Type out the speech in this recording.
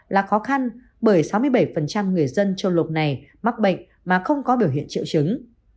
là khó khăn bởi sáu mươi bảy người dân châu lục này mắc bệnh mà không có biểu hiện triệu chứng